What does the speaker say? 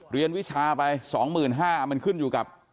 เรียนวิชาไป๒๕๐๐บาทมันขึ้นอยู่กับ